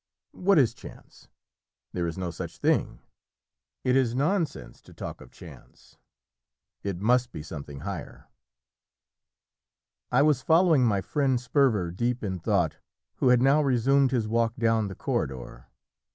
What is chance? There is no such thing; it is nonsense to talk of chance. It must be something higher!" I was following my friend Sperver, deep in thought, who had now resumed his walk down the corridor.